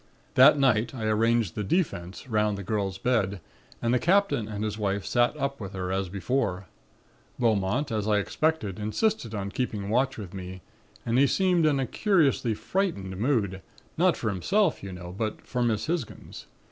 "That night I arranged the 'Defense' 'round the girl's bed and the Captain and his wife sat up with her as before. Beaumont, as I expected, insisted on keeping watch with me and he seemed in a curiously frightened mood; not for himself, you know, but for Miss Hisgins.